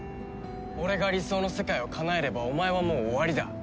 俺が理想の世界をかなえればお前はもう終わりだ。